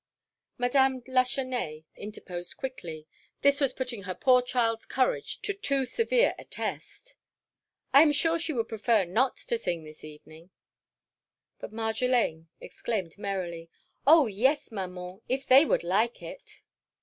Madame Lachesnais interposed quickly: this was putting her poor child's courage to too severe a test. "I am sure she would prefer not to sing this evening." But Marjolaine exclaimed merrily, "Oh, yes, Maman, if they would like it!"